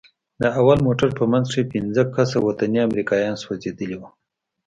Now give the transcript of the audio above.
د اول موټر په منځ کښې پينځه کسه وطني امريکايان سوځېدلي وو.